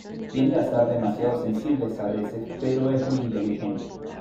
Tiende a ser demasiado sensibles a veces, pero es muy inteligente.